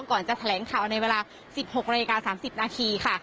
ก่อนจะแถลงข่าวในเวลา๑๖นาฬิกา๓๐นาทีค่ะ